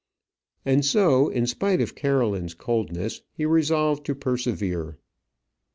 And so, in spite of Caroline's coldness, he resolved to persevere.